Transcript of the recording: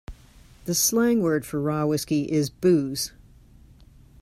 The slang word for raw whiskey is booze.